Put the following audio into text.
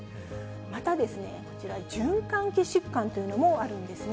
またこちら、循環器疾患というのもあるんですね。